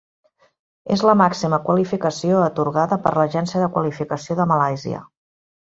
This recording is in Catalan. És la màxima qualificació atorgada per l'Agència de Qualificació de Malàisia.